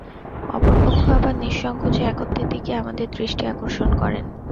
অপর পক্ষ আবার নিঃসঙ্কোচে একত্বের দিকে আমাদের দৃষ্টি আকর্ষণ করেন।